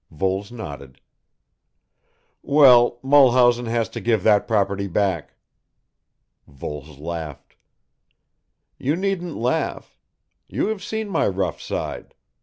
Voles nodded. "Well, Mulhausen has to give that property back." Voles laughed. "You needn't laugh. You have seen my rough side.